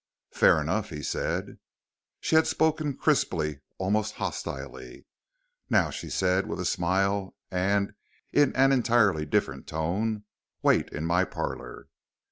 "Fair enough," he said. She had spoken crisply, almost hostilely. Now she said with a smile and in an entirely different tone, "Wait in my parlor."